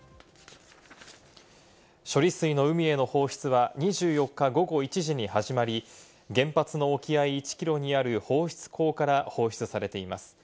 処理水の海への放出は２４日午後１時に始まり、原発の沖合１ｋｍにある放出口から放出されています。